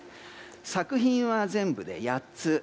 作品は全部で８つ。